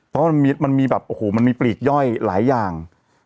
เพราะมันมีแบบโอ้โหมันมีปลีกย่อยหลายอย่าง